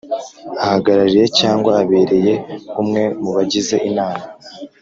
Ahagarariye cyangwa abereye umwe mu bagize inama